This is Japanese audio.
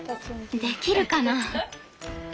できるかな。